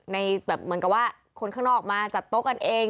ในแบบเหมือนกับว่าคนข้างนอกมาจัดโต๊ะกันเอง